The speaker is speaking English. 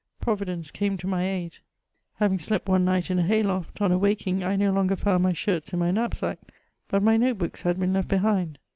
Providence came to my aid : having slept one night in a hay loft, on awaking I no longer found my shirts in my knapsack, but my note books had been left behind.